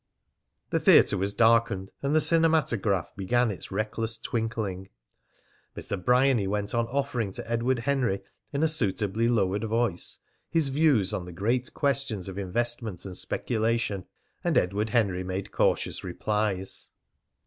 The theatre was darkened, and the cinematograph began its reckless twinkling. Mr. Bryany went on offering to Edward Henry, in a suitably lowered voice, his views on the great questions of investment and speculation; and Edward Henry made cautious replies.